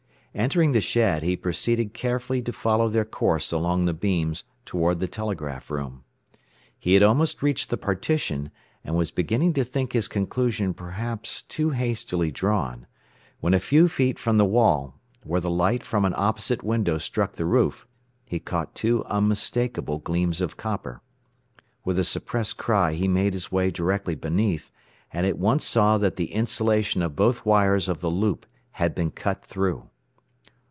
Entering the shed, he proceeded carefully to follow their course along the beams toward the telegraph room. He had almost reached the partition, and was beginning to think his conclusion perhaps too hastily drawn, when a few feet from the wall, where the light from an opposite window struck the roof, he caught two unmistakable gleams of copper. With a suppressed cry he made his way directly beneath, and at once saw that the insulation of both wires of the loop had been cut through.